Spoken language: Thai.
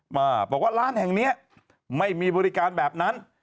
มาบอกว่าร้านแห่งนี้ไม่มีบริการแบบนั้น